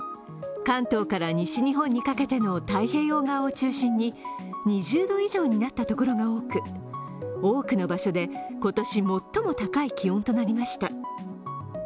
関東から西日本にかけての太平洋側を中心に２０度以上になった所が多く多くの場所で今年最も高い気温となりました。